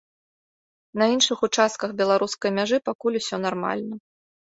На іншых участках беларускай мяжы пакуль усё нармальна.